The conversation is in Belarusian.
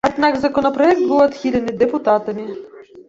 Аднак законапраект быў адхілены дэпутатамі.